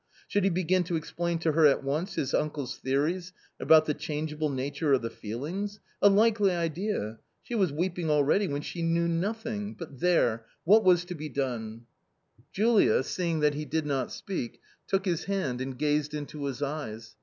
.... Should he begin to explain to her at once his uncle's theories about the changeable nature of the feelings — a likely idea ! she was weeping already, when she knew nothing — but there ! What was to be done ? Julia, seeing that he did not speak, took his hand and gazed into his eyes.